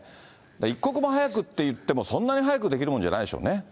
一刻も早くって言っても、そんなに早くできるもんじゃないですよ